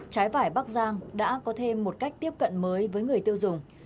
trái vải bắc giang đã có thêm một cách tiếp cận mới với người tiêu dùng